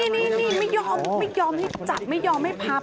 นี่ไม่ยอมไม่ยอมให้จับไม่ยอมให้พับ